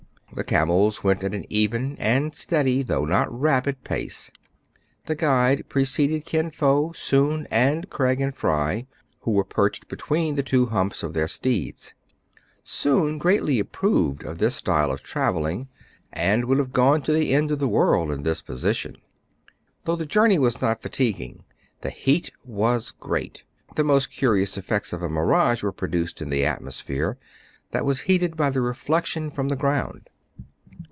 The camels went at an even and steady, though not rapid, pace. The guide preceded Kin Fo, Soun, and Craig and Fry, who were perched between the two humps of their steeds. Soun greatly approved of this style of travelling, and would have gone to the end of the world in this position. Though the journey was not fatiguing, the heat was great. The most curious effects of a mirage were produced in the atmosphere, that was heated by the reflection from the ground.